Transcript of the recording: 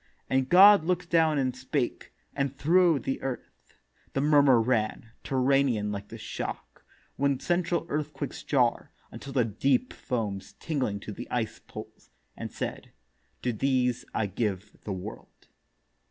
And God look'd down and spake, and thro' the Earth The murmur ran, terranean like the shock When central earthquakes jar, until the Deep Foams tingling to the icèd poles; and said, To these I give the World.